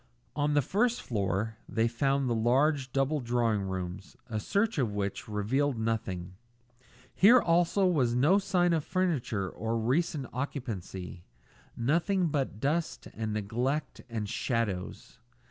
On the first floor they found the large double drawing rooms, a search of which revealed nothing. Here also was no sign of furniture or recent occupancy; nothing but dust and neglect and shadows.